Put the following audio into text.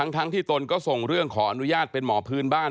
ทั้งที่ตนก็ส่งเรื่องขออนุญาตเป็นหมอพื้นบ้าน